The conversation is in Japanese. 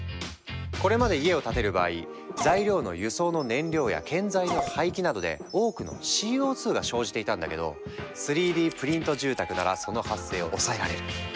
これまで家を建てる場合材料の輸送の燃料や建材の廃棄などで多くのＣＯが生じていたんだけど３Ｄプリント住宅ならその発生を抑えられる。